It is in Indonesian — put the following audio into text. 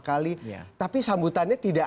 kali tapi sambutannya tidak